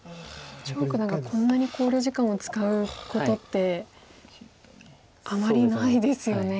張九段がこんなに考慮時間を使うことってあまりないですよね。